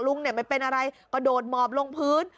ลุงไม่เป็นอะไรก็โดดมอบลงพื้น